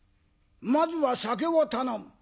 まずは酒を頼む」。